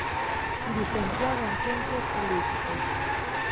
Licenciado en Ciencias Políticas.